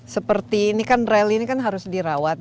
ya ini kan rally ini kan harus dirawat